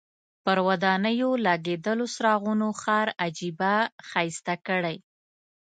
پر ودانیو لګېدلو څراغونو ښار عجیبه ښایسته کړی.